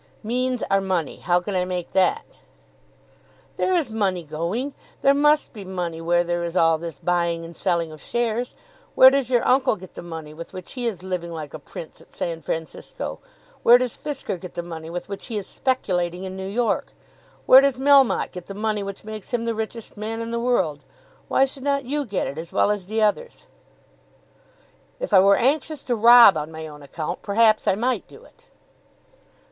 "Means are money. How can I make that?" "There is money going. There must be money where there is all this buying and selling of shares. Where does your uncle get the money with which he is living like a prince at San Francisco? Where does Fisker get the money with which he is speculating in New York? Where does Melmotte get the money which makes him the richest man in the world? Why should not you get it as well as the others?" "If I were anxious to rob on my own account perhaps I might do it."